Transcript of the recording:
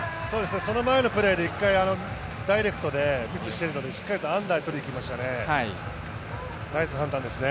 その前のプレーで一回、ダイレクトでミスをしているので、しっかりアンダーで取りにいきましたよね。